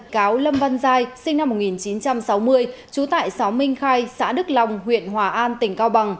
bị cáo lâm văn giai sinh năm một nghìn chín trăm sáu mươi trú tại xóm minh khai xã đức long huyện hòa an tỉnh cao bằng